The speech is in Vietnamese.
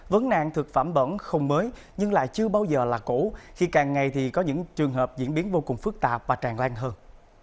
vấn nạn thực phẩm bẩn không mới nhưng lại chưa bao giờ là cũ khi càng ngày thì có những trường hợp diễn biến vô cùng phức tạp và tràn lan hơn